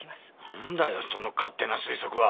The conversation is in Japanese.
なんだよその勝手な推測は。